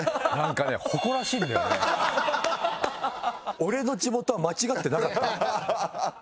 俺の地元は間違ってなかった。